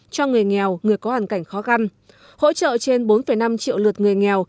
cho người nghèo người có hoàn cảnh khó khăn hỗ trợ trên bốn năm triệu lượt người nghèo